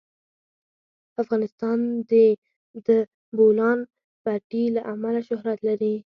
افغانستان د د بولان پټي له امله شهرت لري.